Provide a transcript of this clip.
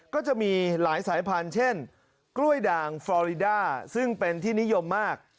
ก็จะมีหลายสายพันธุ์เช่นกล้วยด่างฟอริดาซึ่งเป็นที่นิยมมาก